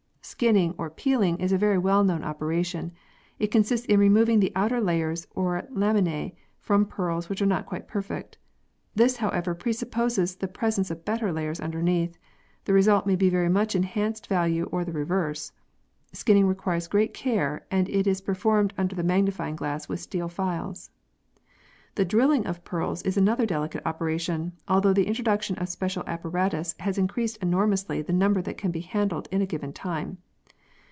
Skinning (or peeling) is a very well known opera tion. It consists in removing the outer layers or laminae from pearls which are not quite perfect. This, however, presupposes the presence of better layers underneath The result may be a very much enhanced value or the reverse. Skinning requires great care and it is performed under the magnifying glass with steel files. The drilling of pearls is another delicate operation, although the introduction of special apparatus has increased enormously the number that can be handled in a given time.